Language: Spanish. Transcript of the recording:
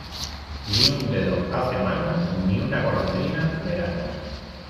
Ni un dedo hace mano, ni una golondrina verano.